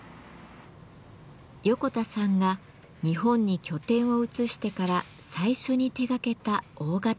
横田さんが日本に拠点を移してから最初に手がけた大型パイプオルガン。